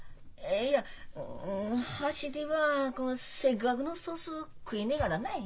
いや箸ではせっかくのソース食えねがらない。